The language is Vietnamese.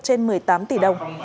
trên một mươi tám tỷ đồng